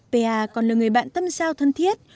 pa còn là người bạn tâm sao thân thiết